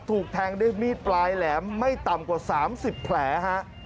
ถูกแทงด้วยมีดปลายแหลมไม่ต่ำกว่า๓๐แผลฮะ